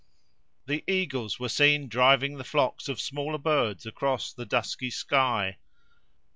The eagles were seen driving the flocks of smaller birds across the dusky sky.